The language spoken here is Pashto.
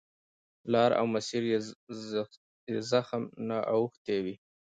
لار او مسیر یې زخم نه اوښتی وي.